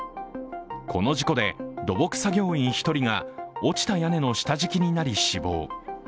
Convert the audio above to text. この事故で土木作業員１人が落ちた屋根の下敷きになり死亡。